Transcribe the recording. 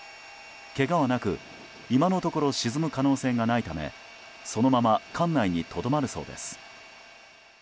けがはなく今のところ沈む可能性がないためそのまま艦内にとどまるそうです。